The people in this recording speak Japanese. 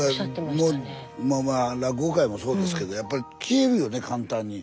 落語界もそうですけどやっぱり消えるよね簡単に。